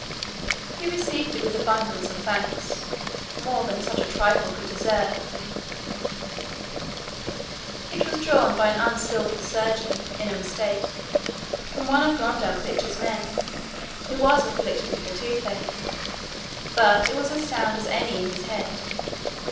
He received it with abundance of thanks, more than such a trifle could deserve. It was drawn by an unskilful surgeon, in a mistake, from one of Glumdalclitch's men, who was afflicted with the tooth ache, but it was as sound as any in his head.